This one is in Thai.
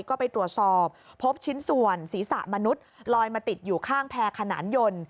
ก็ไปตรวจสอบพบชิ้นส่วนศีรษะมนุษย์ลอยมาติดอยู่ข้างแพร่ขนานยนต์